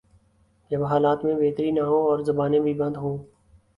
جب حالات میں بہتری نہ ہو اور زبانیں بھی بند ہوں۔